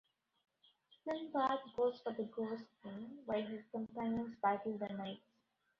Sinbad goes for the Ghost King while his companions battle the Knights.